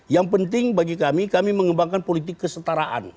yang penting bagi kami kami mengembangkan politik kesetaraan